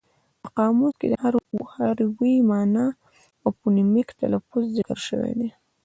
په قاموس کې د هر ویي مانا او فونیمک تلفظ ذکر شوی وي.